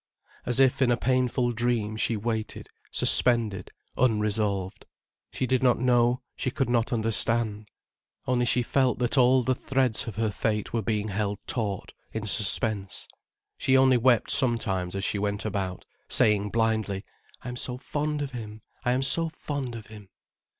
As if in a painful dream, she waited suspended, unresolved. She did not know, she could not understand. Only she felt that all the threads of her fate were being held taut, in suspense. She only wept sometimes as she went about, saying blindly: "I am so fond of him, I am so fond of him."